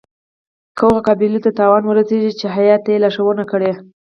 که هغو قبایلو ته تاوان ورسیږي چې هیات ته یې لارښودنه کړې.